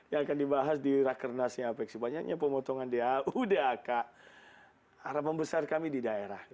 yang akan dibahas di rakernasnya apeksi banyaknya pemotongan dau dak harapan besar kami di daerah